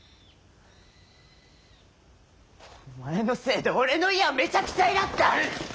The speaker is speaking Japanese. お前のせいで俺の家はめちゃくちゃになった！